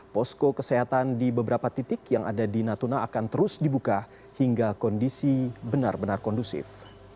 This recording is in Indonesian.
posko kesehatan di beberapa titik yang ada di natuna akan terus dibuka hingga kondisi benar benar kondusif